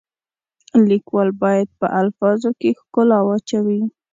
لیکوال باید په الفاظو کې ښکلا واچوي.